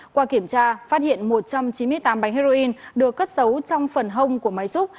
qua kiểm tra phát hiện một trăm chín mươi tám bánh heroin được cất giấu trong phần hông của máy xúc